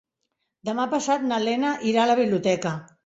Demà passat na Lena irà a la biblioteca.